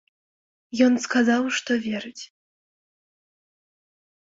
Ён сказаў, што верыць.